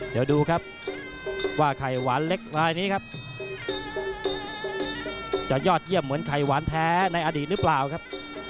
เดี๋ยวดูครับว่าไข่หวานเล็กรายนี้ครับจะยอดเยี่ยมเหมือนไข่หวานแท้ในอดีตหรือเปล่าครับ